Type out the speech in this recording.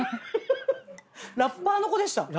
ラッパーの子でした。